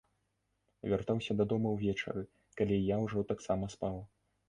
Вяртаўся дадому ўвечары, калі я ўжо таксама спаў.